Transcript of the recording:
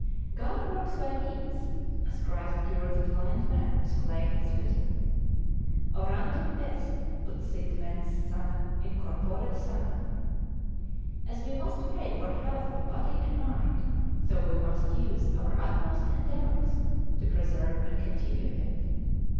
God works by means, as Christ cured the blind man with clay and spittle: Orandum est ut sit mens sana in corpore sano. As we must pray for health of body and mind, so we must use our utmost endeavours to preserve and continue it.